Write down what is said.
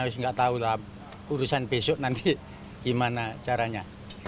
harusnya gak tahu lah urusan besok nanti gimana caranya